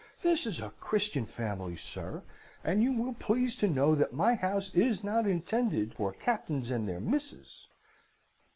This is a Christian family, sir, and you will please to know that my house is not intended for captains and their misses!'